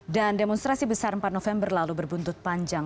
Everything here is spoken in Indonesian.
dan demonstrasi besar empat november lalu berbuntut panjang